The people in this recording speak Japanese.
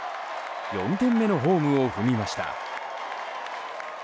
４点目のホームを踏みました。